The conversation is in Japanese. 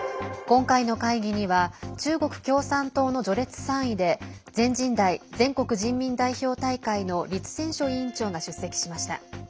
今回の会議には中国共産党の序列３位で全人代＝全国人民代表大会の栗戦書委員長が出席しました。